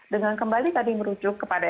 dengan kembali tadi merujuk kepada